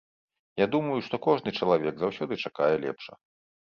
Я думаю, што кожны чалавек заўсёды чакае лепшага.